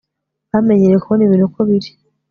bamenyereye kubona ibintu uko biri